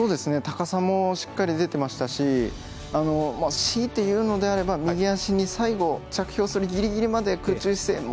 高さもしっかり出てましたししいていうのであれば右足に最後、着氷するギリギリまで空中姿勢